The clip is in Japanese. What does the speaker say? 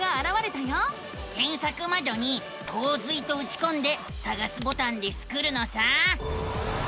けんさくまどに「こう水」とうちこんでさがすボタンでスクるのさ。